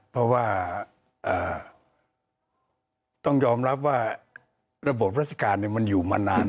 เพราะว่าต้องยอมรับว่าระบบราชการมันอยู่มานาน